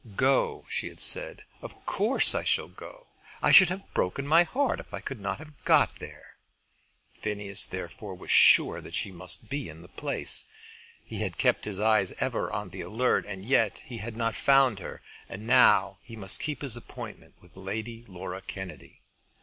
"Go," she had said; "of course I shall go. I should have broken my heart if I could not have got there." Phineas therefore was sure that she must be in the place. He had kept his eyes ever on the alert, and yet he had not found her. And now he must keep his appointment with Lady Laura Kennedy.